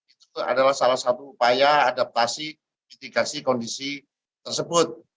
itu adalah salah satu upaya adaptasi mitigasi kondisi tersebut